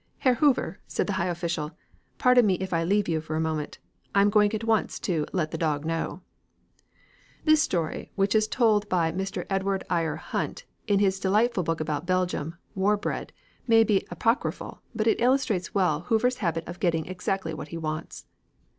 '" "Herr Hoover," said the high official, "pardon me if I leave you for a moment. I am going at once to 'let the dog know.'" This story, which is told by Mr. Edward Eyre Hunt in his delightful book about Belgium, "War Bread," may be apocryphal, but it illustrates well Hoover's habit of getting exactly what he wants.